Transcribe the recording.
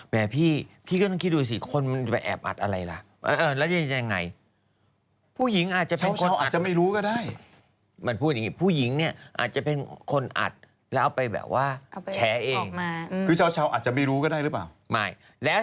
แหมพี่ก็ต้องคิดดูสิคนมันจะไปแอบอัดอะไรล่ะ